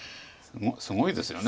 すごいですよね。